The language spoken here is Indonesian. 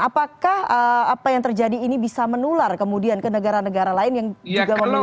apakah apa yang terjadi ini bisa menular kemudian ke negara negara lain yang juga memiliki